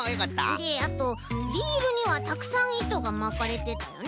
であとリールにはたくさんいとがまかれてたよね。